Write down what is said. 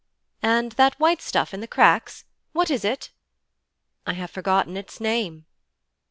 'And that white stuff in the cracks? what is it?' 'I have forgotten its name.'